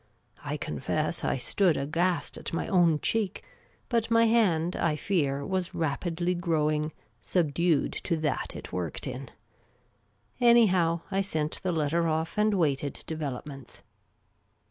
I confess I .stood agha.st at my own clieek ; but my hand, I fear, was rapidly growing " subdued to that it worked in." Anyhow I .sent the letter off, and waited de velopments.